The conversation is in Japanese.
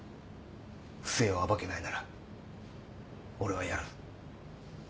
不正を暴けないなら俺はやる。